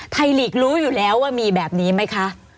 ไทยลีกรู้อยู่แล้วว่ามีแบบนี้ไหมคะ